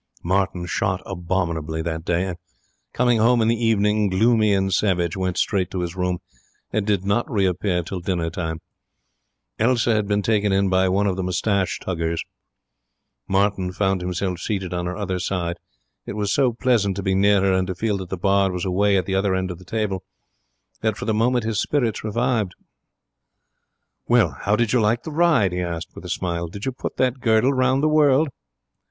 Martin shot abominably that day, and, coming home in the evening gloomy and savage, went straight to his room, and did not reappear till dinner time. Elsa had been taken in by one of the moustache tuggers. Martin found himself seated on her other side. It was so pleasant to be near her, and to feel that the bard was away at the other end of the table, that for the moment his spirits revived. 'Well, how did you like the ride?' he asked, with a smile. 'Did you put that girdle round the world?'